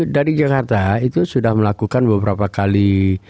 dari jakarta itu sudah melakukan beberapa kali